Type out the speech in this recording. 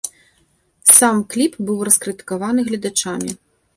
Сам кліп быў раскрытыкаваны гледачамі.